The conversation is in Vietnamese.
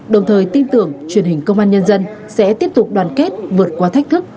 đồng thời tin tưởng truyền hình công an nhân dân sẽ tiếp tục đoàn kết vượt qua thách thức